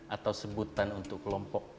atau sebutan untuk kelompok